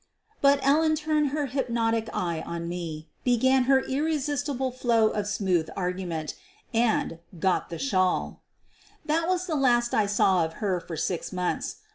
But Ellen turned her hypnotic eye on me, began her 116 SOPHIE LYONS irresistible flow of smooth argument and — got the shawl. That was the last I saw of her for six months.